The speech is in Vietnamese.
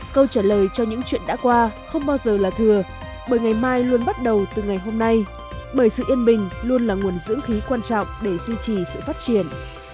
câu trả lời cho những chuyện đã qua không bao giờ là thừa bởi ngày mai luôn bắt đầu từ ngày hôm nay bởi sự yên bình luôn là nguồn dưỡng khí quan trọng để duy trì sự phát triển